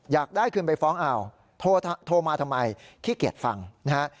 อยากได้คืนไปฟ้องเอาโทรมาทำไมขี้เกียจฟังนะฮะ